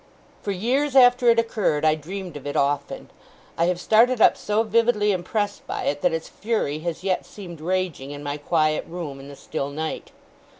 For years after it occurred, I dreamed of it often. I have started up so vividly impressed by it, that its fury has yet seemed raging in my quiet room, in the still night.